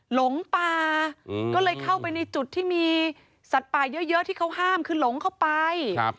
หลงป่าก็เลยเข้าไปในจุดที่มีสัตว์ป่าเยอะที่เขาห้ามคือหลงเข้าไป